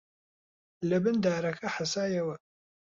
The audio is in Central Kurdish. لەبن دارەکە حەسایەوە